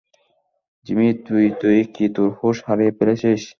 Jimmy তুই- তুই কি তোর হুশ হারিয়ে ফেলেছিস?